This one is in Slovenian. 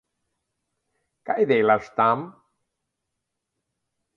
Kaj delaš tam?